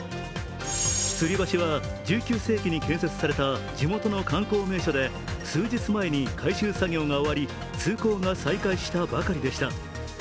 つり橋は１９世紀に建設された地元の観光名所で数日前に改修作業が終わり、通行が再開したばかりでした。